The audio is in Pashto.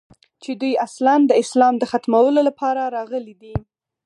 چې دوى اصلاً د اسلام د ختمولو لپاره راغلي دي.